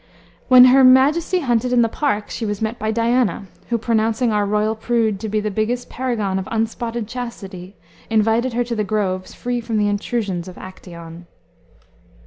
When her majesty hunted in the park she was met by Diana who, pronouncing our royal prude to be the brightest paragon of unspotted chastity, invited her to groves free from the intrusions of Acteon."